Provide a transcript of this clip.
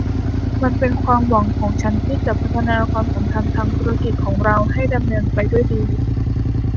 มันเป็นความหวังของฉันที่จะพัฒนาความสัมพันธ์ทางธุรกิจของเราให้ดำเนินไปด้วยดี